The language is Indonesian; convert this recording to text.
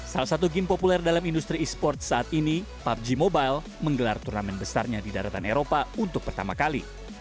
salah satu game populer dalam industri e sports saat ini pubg mobile menggelar turnamen besarnya di daratan eropa untuk pertama kali